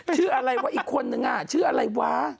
ชื่ออะไรวะอีกคนนึงชื่ออะไรวะ